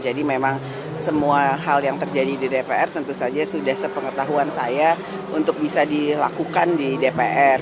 jadi memang semua hal yang terjadi di dpr tentu saja sudah sepengetahuan saya untuk bisa dilakukan di dpr